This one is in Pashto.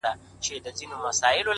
که نه نو ولي بيا جواب راکوي؛